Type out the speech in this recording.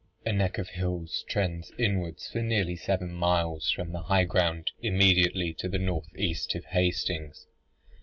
A neck of hills trends inwards for nearly seven miles from the high ground immediately to the north east of Hastings.